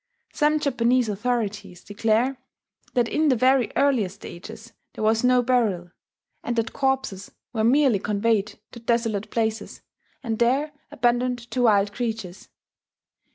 Some Japanese authorities declare that in the very earliest ages there was no burial, and that corpses were merely conveyed to desolate places, and there abandoned to wild creatures.